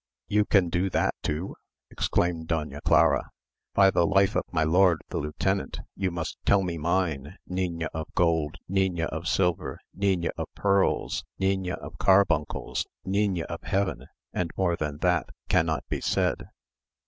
"You can do that too?" exclaimed Doña Clara. "By the life of my lord the lieutenant, you must tell me mine, niña of gold, niña of silver, niña of pearls, niña of carbuncles, niña of heaven, and more than that cannot be said."